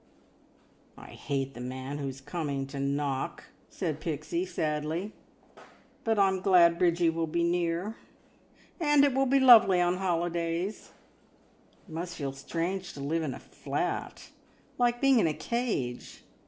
"I hate the man who's coming to Knock," said Pixie sadly; "but I am glad Bridgie will be near, and it will be lovely on holidays. It must feel strange to live in a flat; like being in a cage.